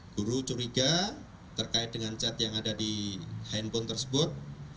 guru curiga terkait dengan chat yang ada di handphone tersebut